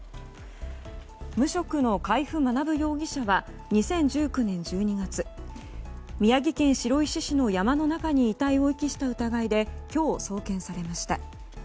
無職の海部学容疑者は２０１９年１２月宮城県白石市の山の中に遺体を遺棄した疑いで今日、送検されました。